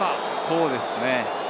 そうですね。